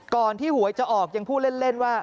ที่หวยจะออกยังพูดเล่นว่า